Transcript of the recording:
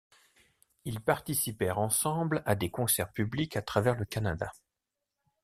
Ils participèrent ensemble à des concerts publics à travers le Canada.